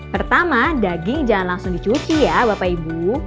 pertama daging jangan langsung dicuci ya bapak ibu